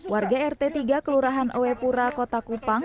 warga rt tiga kelurahan oepura kota kupang